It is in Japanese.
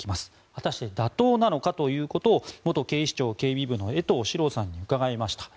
果たして妥当なのかということを元警視庁警備部の江藤史朗さんに伺いました。